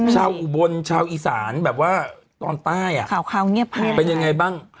ชาวอุบลชาวอีสานแบบว่าตอนใต้อ่ะเป็นยังไงบ้าง